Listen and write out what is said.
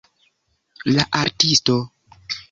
La artisto